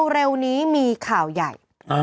เร็วนี้มีข่าวใหญ่